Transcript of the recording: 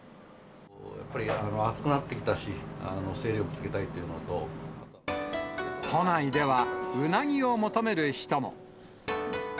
やっぱり暑くなってきたし、都内では、うなぎを求める人も。